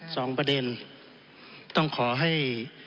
สองประเด็นต้องขอให้